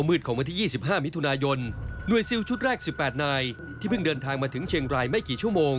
เมื่อที่สิบห้ามิถุนายนจรวดเร็คสิบแปดนายที่เพิ่งเดินทางมาถึงเจงรายไม่กี่ชั่วโมง